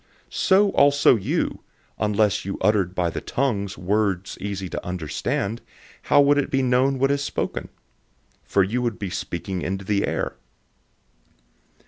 014:009 So also you, unless you uttered by the tongue words easy to understand, how would it be known what is spoken? For you would be speaking into the air.